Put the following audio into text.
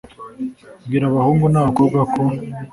bwira abahungu na bakobwa ko